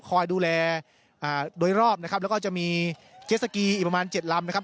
คอยดูแลอ่าโดยรอบนะครับแล้วก็จะมีเจสสกีอีกประมาณเจ็ดลำนะครับ